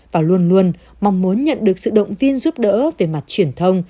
và luôn luôn mong muốn nhận được sự động viên giúp đỡ về mặt truyền thông